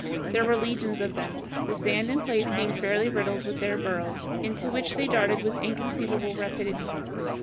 There were legions of them, the sand in places being fairly riddled with their burrows, into which they darted with inconceivable rapidity.